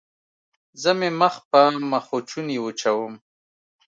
زه مې مخ په مخوچوني وچوم.